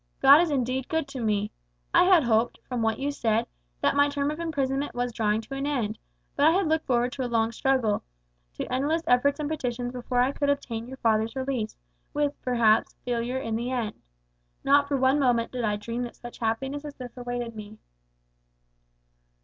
"God is indeed good to me. I had hoped, from what you said, that my term of imprisonment was drawing to an end; but I had looked forward to a long struggle, to endless efforts and petitions before I could obtain your father's release, with, perhaps, failure in the end. Not for one moment did I dream that such happiness as this awaited me."